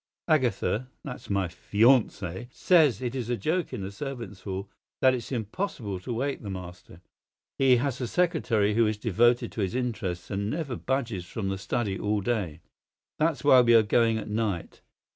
Agatha—that's my FIANCEE—says it is a joke in the servants' hall that it's impossible to wake the master. He has a secretary who is devoted to his interests and never budges from the study all day. That's why we are going at night.